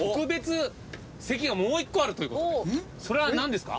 それはなんですか？